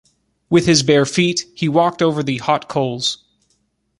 With his bear feet, he walked over the hot coals.